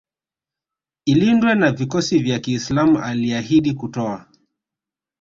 ilindwe na vikosi vya kiislam Aliahidi kutoa